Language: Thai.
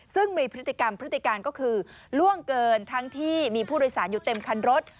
ซึ่งมีพฤติกรรมพฤติการก็คือล่วงเกินทั้งที่มีผู้โดยสารอยู่เต็มคันรถ